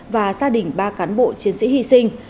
và gia đình ba cán bộ chiến sĩ hy sinh